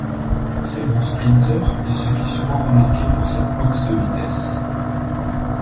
Très bon sprinteur, il se fit souvent remarquer pour sa pointe de vitesse.